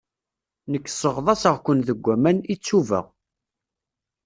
Nekk sseɣḍaṣeɣ-ken deg waman, i ttuba.